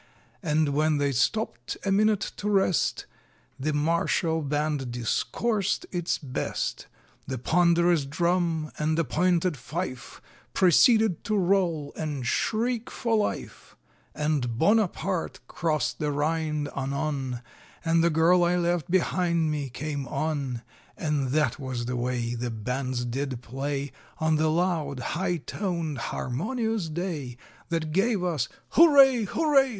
And when they stopped a minute to rest, The martial band discoursed its best; The ponderous drum and the pointed fife Proceeded to roll and shriek for life; And Bonaparte Crossed the Rhine, anon, And The Girl I Left Behind Me came on; And that was the way The bands did play On the loud, high toned, harmonious day, That gave us _Hurray! Hurray!